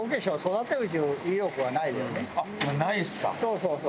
そうそうそう。